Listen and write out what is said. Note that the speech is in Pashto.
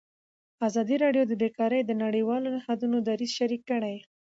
ازادي راډیو د بیکاري د نړیوالو نهادونو دریځ شریک کړی.